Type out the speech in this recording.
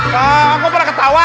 kok pernah ketawa